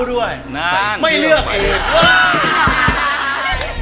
ผมรู้ด้วยไม่เลือกอีก